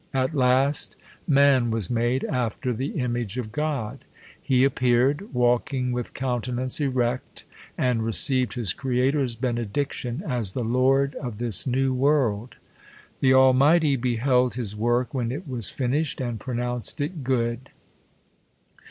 At last, man was made after the image of God. He ap peared, walking with countenance erect; and received his Creator's benediction, as the lord of this new world. The Almighty beheld his work when it was firushed, and pronounced it good.